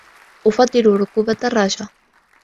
أفضل ركوب الدراجة.